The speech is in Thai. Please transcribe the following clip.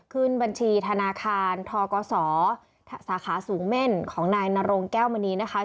ขึ้นบัญชีธนาคารทกศสาขาสูงเม่นของนายนรงแก้วมณีนะคะ